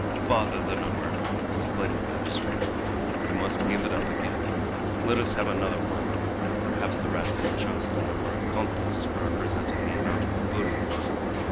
"Bother the number!" exclaimed the magistrate. "We must give it up again. Let us have another one! Perhaps the rascal chose the number of contos representing the amount of the booty!"